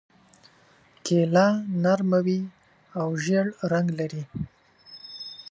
کیله نرمه وي او ژېړ رنګ لري.